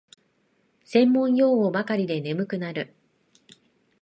専門用語ばかりで眠くなる